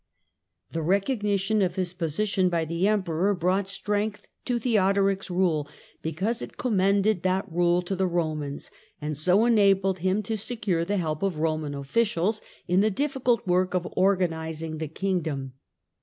The recognition of his position by the Emperor brought Theodoric's strength to Theodoric's rule, because it commended administra . tion that rule to the Romans, and so enabled him to secure the help of Eoman officials in the difficult work oi organising the kingdom.